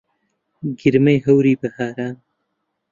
گرمەی هەوری بەهاران